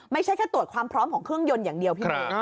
ไม่ใช่แค่ตรวจความพร้อมของเครื่องยนต์อย่างเดียวพี่